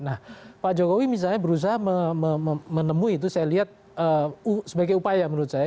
nah pak jokowi misalnya berusaha menemui itu saya lihat sebagai upaya menurut saya